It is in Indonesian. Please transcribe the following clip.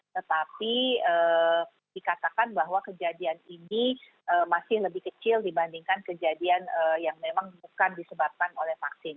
tetapi dikatakan bahwa kejadian ini masih lebih kecil dibandingkan kejadian yang memang bukan disebabkan oleh vaksin